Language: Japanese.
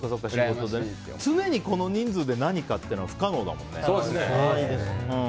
常にこの人数で何かっていうのは不可能だもんね。